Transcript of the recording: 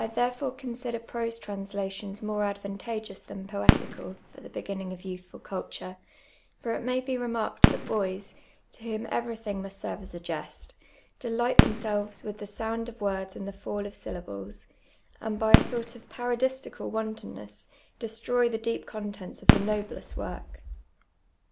I therefore consider prose translations more advantageous than poetical, for the begin ning of youthfid culture ; for it may be remarked that boys, to whom everything must serve as a jest, delight themselves with the sound of words and the fall of syllables, and by a sort of parodistical wantonness, destroy the deep contents of the noblest work.